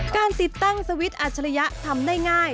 การติดตั้งสวิตช์อัจฉริยะทำได้ง่าย